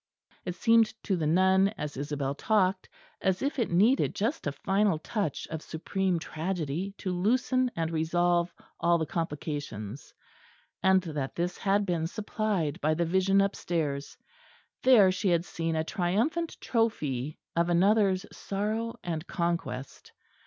It seemed to the nun, as Isabel talked, as if it needed just a final touch of supreme tragedy to loosen and resolve all the complications; and that this had been supplied by the vision upstairs. There she had seen a triumphant trophy of another's sorrow and conquest.